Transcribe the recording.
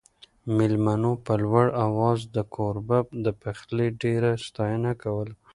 مېلمنو په لوړ اواز د کوربه د پخلي ډېره ستاینه کوله.